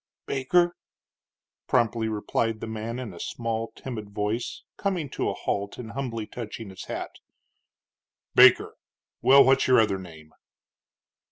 "Baker," promptly replied the man, in a small, timid voice, coming to a halt and humbly touching his hat. "Baker? Well, what's your other name?"